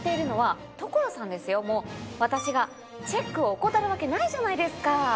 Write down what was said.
もう私がチェックを怠るわけないじゃないですか。